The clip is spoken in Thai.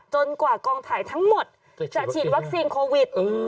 กว่ากองถ่ายทั้งหมดจะฉีดวัคซีนโควิด